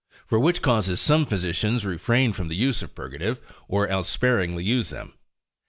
For which causes some physicians refrain from the use of purgatives, or else sparingly use them.